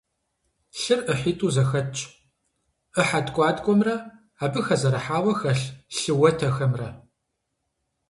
Лъыр ӏыхьитӏу зэхэтщ: ӏыхьэ ткӏуаткӏуэмрэ абы хэзэрыхьауэ хэлъ лъы уэтэхэмрэ.